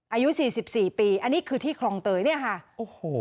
อายุสี่สิบสี่ปีอันนี้คือที่คลองเตยเนี่ยค่ะโอ้โห